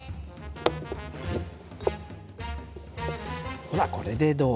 ほらこれでどうだろう。